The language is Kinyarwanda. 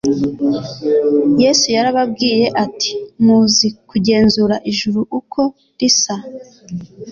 Yesu yarababwiye ati : "Muzi kugenzura ijuru uko risa;"